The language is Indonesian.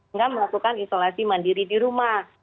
enggak melakukan isolasi mandiri di rumah